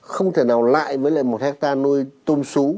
không thể nào lại với lại một hectare nuôi tôm sú